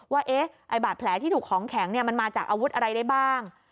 ว่าบาดแผลที่ถูกของแข็งมันมาจากอาวุธอะไรได้บ้าง